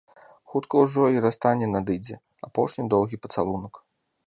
Хутка ўжо й расстанне надыдзе, апошні доўгі пацалунак.